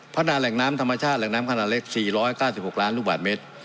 นาแหล่งน้ำธรรมชาติแหล่งน้ำขนาดเล็ก๔๙๖ล้านลูกบาทเมตร